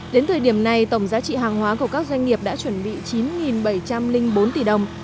đến thời điểm này tổng giá trị hàng hóa của các doanh nghiệp đã chuẩn bị chín bảy trăm linh bốn tỷ đồng